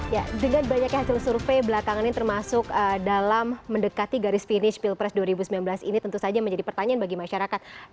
ya dengan banyaknya hasil survei belakangan ini termasuk dalam mendekati garis finish pilpres dua ribu sembilan belas ini tentu saja menjadi pertanyaan bagi masyarakat